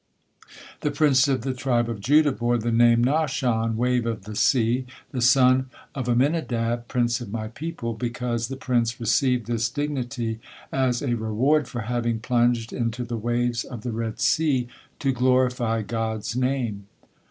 The prince of the tribe of Judah bore the name Nahshon, "wave of the sea," the son of Amminadab, "prince of My people," because the prince received this dignity as a reward for having plunged into the waves of the Red Sea to glorify God's name.